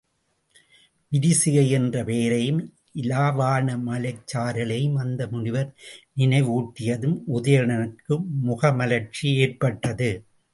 விரிசிகை என்ற பெயரையும் இலாவாண மலைச் சாரலையும் அந்த முனிவர் நினைவூட்டியதும் உதயணனுக்கு முகமலர்ச்சி ஏற்பட்டது.